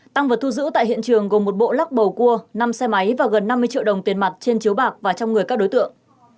tăng vật thu giữ tại hiện trường gồm một bộ lắc bầu cua năm xe máy và gần năm mươi triệu đồng tiền mặt trên chiếu bạc và trong người các đối tượng